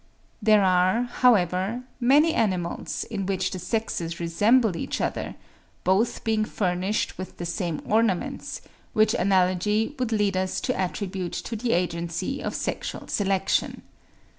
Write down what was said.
There are, however, many animals in which the sexes resemble each other, both being furnished with the same ornaments, which analogy would lead us to attribute to the agency of sexual selection.